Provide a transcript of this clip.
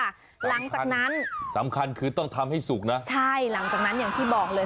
หลังจากนั้นสำคัญคือต้องทำให้สุกนะใช่หลังจากนั้นอย่างที่บอกเลย